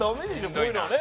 こういうのはね。